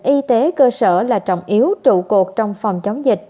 y tế cơ sở là trọng yếu trụ cột trong phòng chống dịch